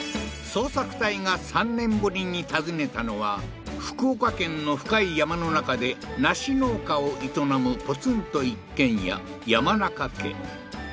捜索隊が３年ぶりに訪ねたのは福岡県の深い山の中で梨農家を営むポツンと一軒家山中家